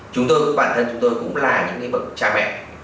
chúng tôi bản thân chúng tôi cũng là những cái bậc cha mẹ